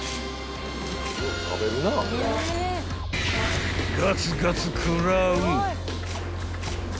［ガツガツ食らう］